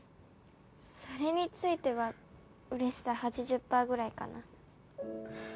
それについては嬉しさ８０パーぐらいかな。